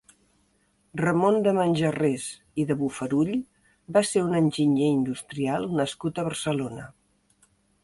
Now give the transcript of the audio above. Ramon de Manjarrés i de Bofarull va ser un enginyer industrial nascut a Barcelona.